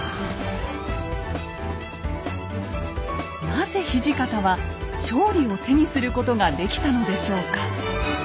なぜ土方は勝利を手にすることができたのでしょうか。